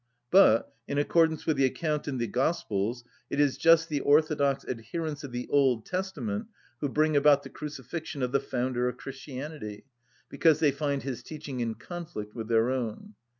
But, in accordance with the account in the Gospels, it is just the orthodox adherents of the Old Testament who bring about the crucifixion of the founder of Christianity, because they find his teaching in conflict with their own.